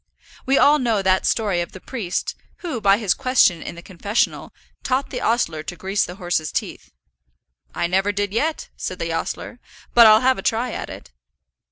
We all know that story of the priest, who, by his question in the confessional, taught the ostler to grease the horses' teeth. "I never did yet," said the ostler, "but I'll have a try at it."